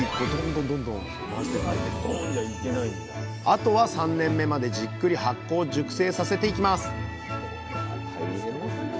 あとは３年目までじっくり発酵・熟成させていきます